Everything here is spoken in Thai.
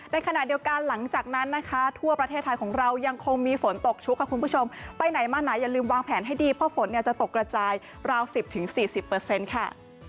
ในขณะเดียวกันหลังจากนั้นนะคะทั่วประเทศไทยของเรายังคงมีฝนตกชุกค่ะคุณผู้ชมไปไหนมาไหนอย่าลืมวางแผนให้ดีเพราะฝนเนี่ยจะตกกระจายราว๑๐๔๐ค่ะ